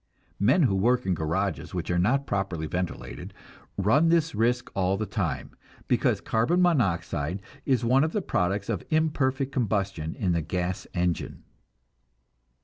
Men who work in garages which are not properly ventilated run this risk all the time, because carbon monoxide is one of the products of imperfect combustion in the gas engine.